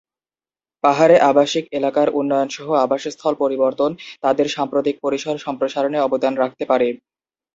পাহাড়ে আবাসিক এলাকার উন্নয়ন সহ আবাসস্থল পরিবর্তন, তাদের সাম্প্রতিক পরিসর সম্প্রসারণে অবদান রাখতে পারে।